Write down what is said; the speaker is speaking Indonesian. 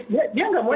dia tidak mau ikut